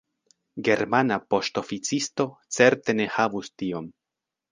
Germana poŝtoficisto certe ne havus tiom.